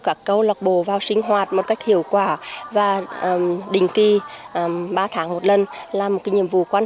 các câu lạc bộ vào sinh hoạt một cách hiệu quả và đình kỳ ba tháng một lần là một cái nhiệm vụ quan